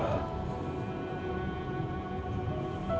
serta yang lebih tepat